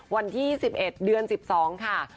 วันที่๑๑เดือน๑๒ค่ะ